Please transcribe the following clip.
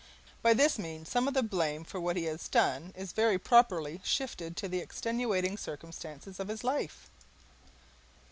By this means some of the blame for what he has done is very properly shifted to the extenuating circumstances of his life.